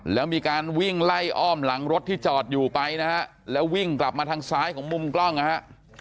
แล้วมีการวิ่งไล่อ้อมหลังรถที่จอดอยู่ไปนะฮะแล้ววิ่งกลับมาทางซ้ายของมุมกล้องนะฮะ